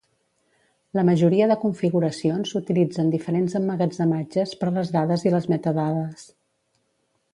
La majoria de configuracions utilitzen diferents emmagatzematges per les dades i les metadades.